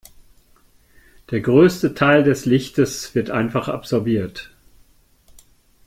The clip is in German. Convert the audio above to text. Der größte Teil des Lichtes wird einfach absorbiert.